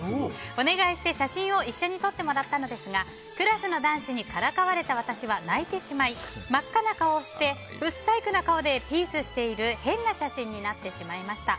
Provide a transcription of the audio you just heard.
お願いして写真を一緒に撮ってもらったのですがクラスの男子にからかわれた私は泣いてしまい真っ赤な顔をしてぶっさいくな顔でピースしている変な写真になってしまいました。